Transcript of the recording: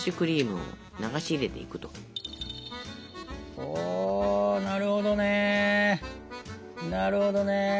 おなるほどねなるほどね。